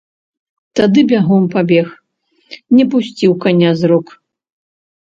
Тады бягом пабег, не пусціў каня з рук.